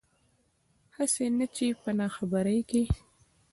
هسې نه چې پۀ ناخبرۍ کښې